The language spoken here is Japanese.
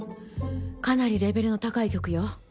かなりレベルの高い曲よ。